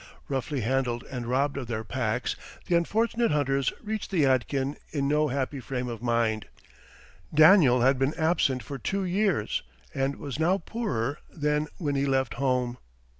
Roughly handled and robbed of their packs, the unfortunate hunters reached the Yadkin in no happy frame of mind. Daniel had been absent for two years, and was now poorer than when he left home.